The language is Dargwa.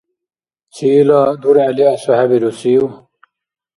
Циила дургӀели асухӀебирусив?